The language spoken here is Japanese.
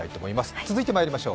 続いてまいりましょう。